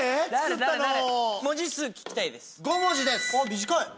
短い！